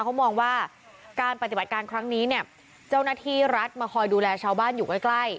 เขามองว่าการปฏิบัติการครั้งนี้เนี่ยเจ้าหน้าที่รัฐมาคอยดูแลชาวบ้านอยู่ใกล้